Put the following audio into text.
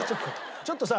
ちょっとさ